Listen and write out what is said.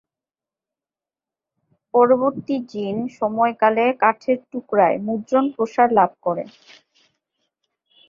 পরবর্তী জিন সময়কালে কাঠের টুকরায় মুদ্রণ প্রসার লাভ করে।